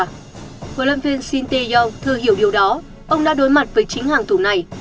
hồi lâm phiên sinteyong thừa hiểu điều đó ông đã đối mặt với chính hàng thủ này